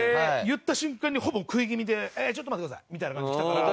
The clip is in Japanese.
言った瞬間にほぼ食い気味で「ちょっと待ってください」みたいな感じできたから。